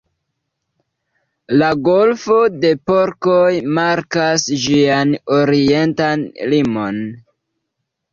La Golfo de Porkoj markas ĝian orientan limon.